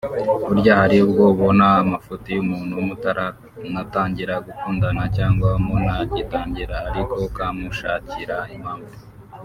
Burya hari ubwo ubona amafuti y’umuntu mutaranatangira gukundana cyangwa munagitangira ariko ukamushakira impamvu